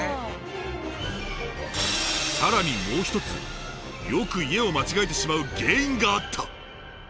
更にもう１つよく家を間違えてしまう原因があった！